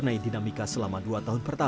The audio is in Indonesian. bukan beliau saja yang butuh kita